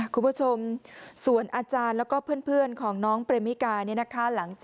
คุณผู้ชมส่วนอาจารย์แล้วก็เพื่อนของน้องเปรมิกาเนี่ยนะคะ